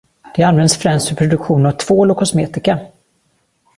Det används främst för produktion av tvål och kosmetika.